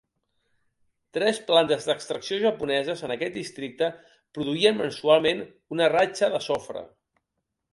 Tres plantes d'extracció japoneses en aquest districte produïen mensualment una ratxa de sofre.